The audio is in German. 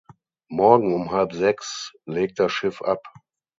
Morgen um halb sechs legt das Schiff ab.